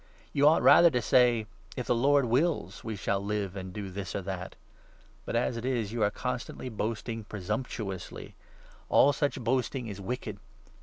You ought, rather, to say ' If the Lord wills, we shall live and 15 do this or that.' But, as it is, you are constantly boasting 16 presumptuously! All such boasting is wicked.